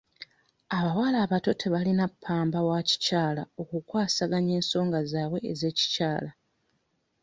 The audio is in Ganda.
Abawala abato tebaalina ppamba wa kikyala okukwasaganya ensoonga zaabwe ez'ekikyala.